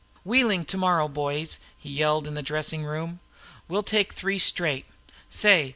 "Wheeling to morrow, boys," he yelled in the dressing room. "We'll take three straight. Say!